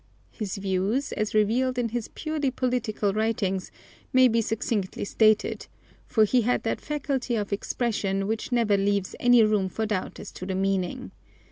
His views, as revealed in his purely political writings, may be succinctly stated, for he had that faculty of expression which never leaves any room for doubt as to the meaning.